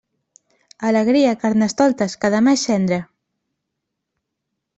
Alegria, Carnestoltes, que demà és cendra.